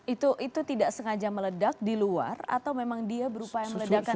itu tidak sengaja meledak di luar atau memang dia berupaya meledakan di situ